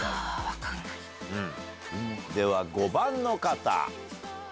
では５番の方。